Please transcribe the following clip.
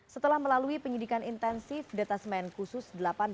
setelah melalui penyidikan intensif detasmen khusus delapan puluh delapan